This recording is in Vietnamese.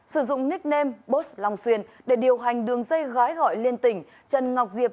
sử dụng nickname boss long xuyên để điều hành đường dây gái gọi liên tỉnh trần ngọc diệp